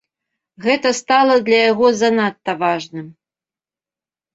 Гэта стала для яго занадта важным.